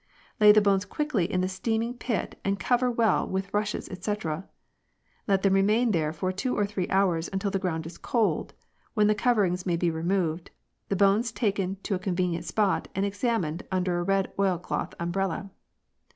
Lay the bones quickly in the steaming pit and cover well up with rushes, &c. Let them remain there for two or three hours until the ground is cold, when the cover ings may be removed, the bones taken to a convenient spot, and examined under a red oil cloth umbrella.